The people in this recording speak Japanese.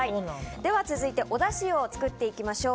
では続いておだしを作っていきましょう。